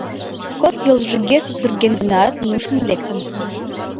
— Кок йолжыге сусырген гынат, нушкын лектын.